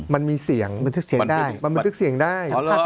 มันมีเสียงมันบันทึกเสียงได้